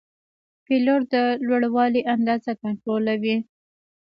پیلوټ د لوړوالي اندازه کنټرولوي.